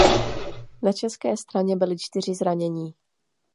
Na české straně byli čtyři zranění.